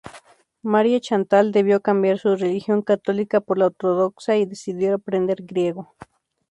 Marie-Chantal debió cambiar su religión católica por la ortodoxa, y decidió aprender griego.